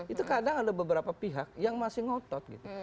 itu kadang ada beberapa pihak yang masih ngotot gitu